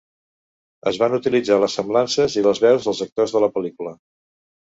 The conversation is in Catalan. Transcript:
Es van utilitzar les semblances i les veus dels actors de la pel·lícula.